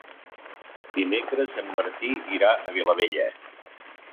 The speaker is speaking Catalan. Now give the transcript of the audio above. Dimecres en Martí irà a Vilabella.